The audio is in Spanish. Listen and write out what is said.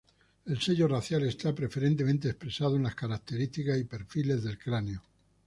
El sello racial está preferentemente expresado en las características y perfiles del cráneo.